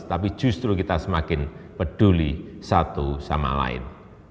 tapi justru kita semakin peduli satu sama lain